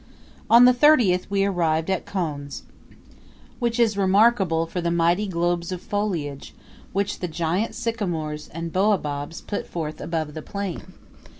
On the 30th we arrived at Khonze, which is remarkable for the mighty globes of foliage which the giant sycamores and baobabs put forth above the plain.